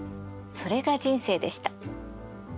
それが人生でした。